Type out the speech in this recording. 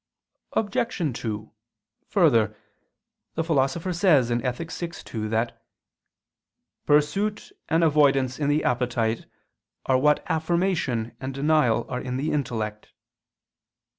Obj. 2: Further, the Philosopher says (Ethic. vi, 2) that "pursuit and avoidance in the appetite are what affirmation and denial are in the intellect."